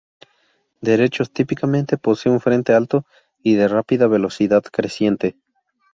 Derechos Típicamente posee un frente alto y de rápida velocidad creciente.